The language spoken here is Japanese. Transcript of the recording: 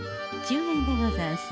１０円でござんす。